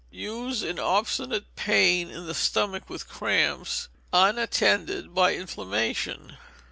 Use in obstinate pain in the stomach with cramps, unattended by inflammation.